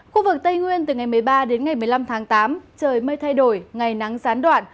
khu vực tây nguyên từ ngày một mươi ba đến ngày một mươi năm tháng tám trời mây thay đổi ngày nắng gián đoạn